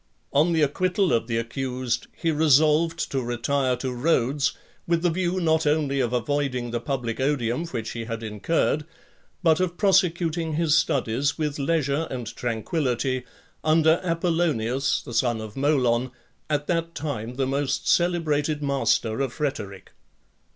On the acquittal of the accused, he resolved to retire to Rhodes , with the view not only of avoiding the public odium (4) which he had incurred, but of prosecuting his studies with leisure and tranquillity, under Apollonius, the son of Molon, at that time the most celebrated master of rhetoric.